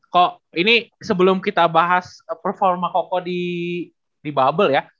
kok ini sebelum kita bahas performa koko di bubble ya